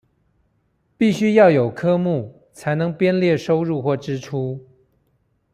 必須要有科目才能編列收入或支出